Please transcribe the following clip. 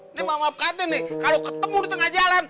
ini maaf maafkan nih kalau ketemu di tengah jalan